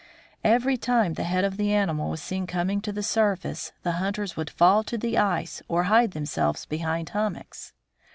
Every time the head of the animal was seen coming to the surface, the hunters would fall to the ice or, hide themselves behind hummocks.